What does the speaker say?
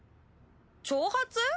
挑発？